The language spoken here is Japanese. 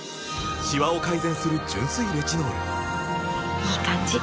いい感じ！